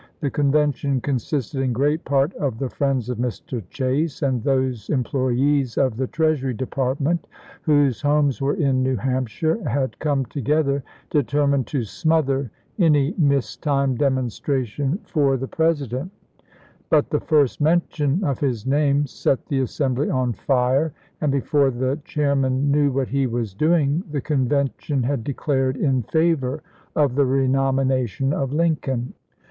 The Convention consisted in great part of the friends of Mr. Chase, and those employees of the Treasury Department whose homes were in New Hampshire had come together determined to smother any mistimed demonstration for the Presi LINCOLN KENOMINATED 53 dent; but the first mention of his name set the chap. in. assembly on fire, and before the chairman knew what he was doing the Convention had declared in favor of the renomination of Lincoln.